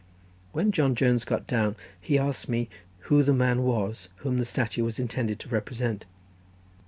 When John Jones got down he asked me who the man was whom the statue was intended to represent.